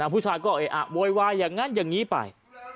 ผู้ชายก็เออะโวยวายอย่างนั้นอย่างนี้ไป